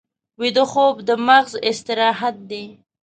ویده خوب د مغز استراحت دی